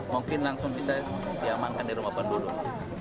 mungkin langsung bisa diamankan di rumah penduduk